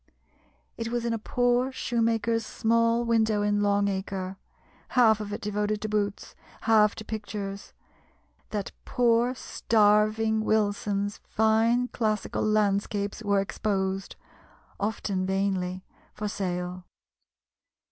It was in a poor shoemaker's small window in Long Acre, half of it devoted to boots, half to pictures that poor starving Wilson's fine classical landscapes were exposed, often vainly, for sale.